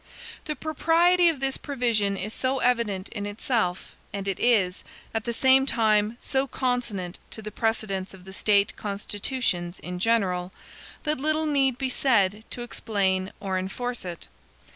The propriety of this provision is so evident in itself, and it is, at the same time, so consonant to the precedents of the State constitutions in general, that little need be said to explain or enforce it.